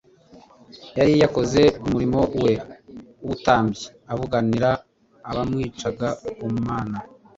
Yari yakoze umurimo we w'ubutambyi avuganira abamwicaga ku Mana.